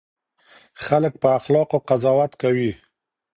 خلک په اخلاقو قضاوت کوي.